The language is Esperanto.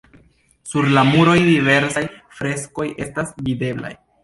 Sur la muroj diversaj freskoj estas videblaj.